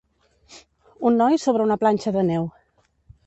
Un noi sobre una planxa de neu